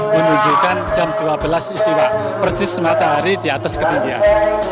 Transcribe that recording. menunjukkan jam dua belas istiwa persis matahari di atas ketinggian